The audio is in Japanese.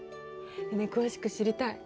ねえ詳しく知りたい。